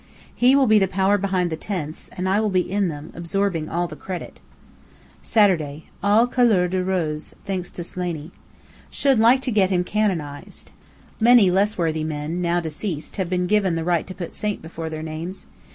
He will be the power behind the tents, and I will be in them, absorbing all the credit. Saturday: All couleur de Rose, thanks to Slaney. Should like to get him canonized. Many less worthy men, now deceased, have been given the right to put Saint before their names.